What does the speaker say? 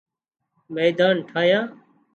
ميڌان ٺاهيان